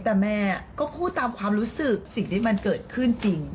แต่แม่ก็พูดตามความรู้สึกสิ่งที่มันเกิดขึ้นจริง